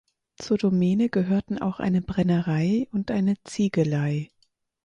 Zur Domäne gehörten auch eine Brennerei und eine Ziegelei.